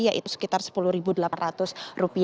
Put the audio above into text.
yaitu sekitar rp sepuluh delapan ratus